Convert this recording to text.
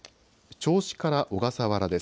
銚子から小笠原です。